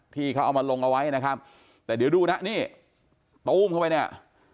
ที่เขาเอามาลงเอาไว้นะครับแต่เดี๋ยวดูนะนี่ตู้มเข้าไปเนี่ย